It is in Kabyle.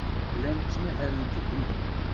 Llant ttmahalent din.